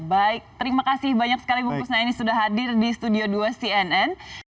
baik terima kasih banyak sekali bu kusnaini sudah hadir di studio dua cnn